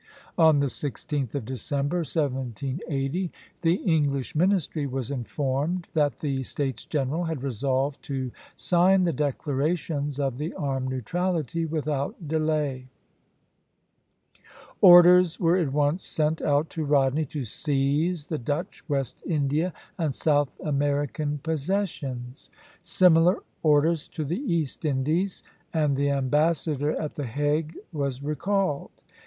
On the 16th of December, 1780, the English ministry was informed that the States General had resolved to sign the declarations of the Armed Neutrality without delay. Orders were at once sent out to Rodney to seize the Dutch West India and South American possessions; similar orders to the East Indies; and the ambassador at the Hague was recalled.